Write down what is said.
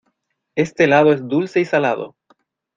Este helado es dulce y salado.